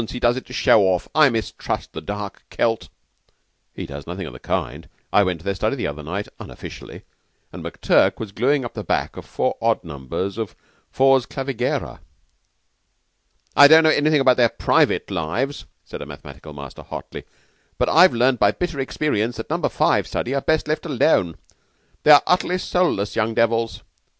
He does it to show off. I mistrust the dark Celt." "He does nothing of the kind. I went into their study the other night, unofficially, and McTurk was gluing up the back of four odd numbers of 'Fors Clavigera.'" "I don't know anything about their private lives," said a mathematical master hotly, "but I've learned by bitter experience that Number Five study are best left alone. They are utterly soulless young devils."